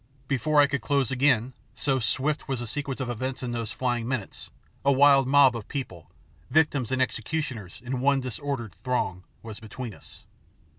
Before I could close again, so swift was the sequence of events in those flying minutes, a wild mob of people, victims and executioners in one disordered throng, was between us.